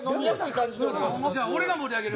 じゃあ俺が盛り上げる。